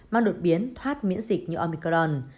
mang đột biến thoát miễn dịch như omicron